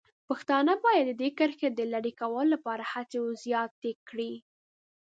پښتانه باید د دې کرښې د لرې کولو لپاره هڅې زیاتې کړي.